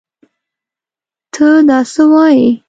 تۀ دا څه وايې ؟